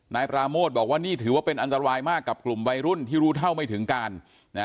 นายปราโมทบอกว่านี่ถือว่าเป็นอันตรายมากกับกลุ่มวัยรุ่นที่รู้เท่าไม่ถึงการนะ